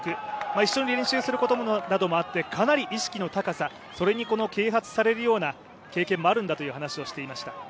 一緒に練習することなどもあってかなり意識の高さ、それに啓発されるような経験もあるんだというような話をしていました。